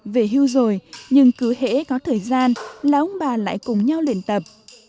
về hưu rồi nhưng cứ hễ có thời gian là ông bà lại cùng nhau luyện tập